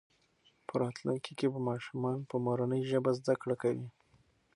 په راتلونکي کې به ماشومان په مورنۍ ژبه زده کړه کوي.